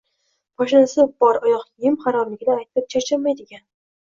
Poshnasi bor oyoq-kiyim haromligini aytib charchamaydigan.